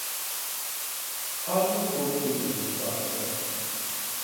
Arden was born in Newbury, Berkshire.